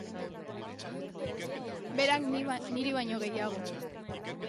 Berak niri baino gehiago.